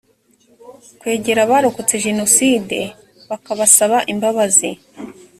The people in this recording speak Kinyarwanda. kwegera abarokotse jenoside bakabasaba imbabazi